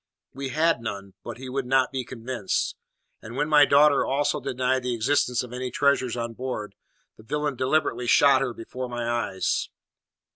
We had none, but he would not be convinced; and when my daughter also denied the existence of any treasure on board, the villain deliberately shot her before my eyes!